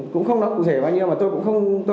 cũng không nói cụ thể bao nhiêu mà tôi cũng không khóc hỏi